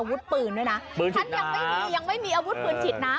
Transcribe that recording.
วุฒิปืนด้วยนะปืนฉันยังไม่มียังไม่มีอาวุธปืนฉีดน้ำ